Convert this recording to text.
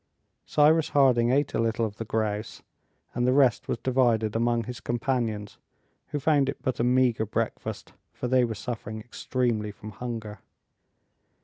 Cyrus Harding ate a little of the grouse, and the rest was divided among his companions, who found it but a meager breakfast, for they were suffering extremely from hunger.